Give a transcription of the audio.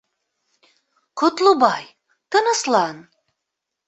Ҡотлобай, тыныслан...